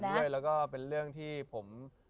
ด้วยแล้วก็เป็นเรื่องที่ผม